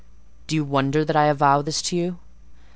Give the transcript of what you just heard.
Do you wonder that I avow this to you?